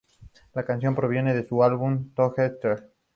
La canción proviene de su álbum Together.